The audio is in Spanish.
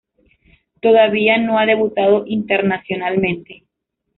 Todavía no ha debutado internacionalmente.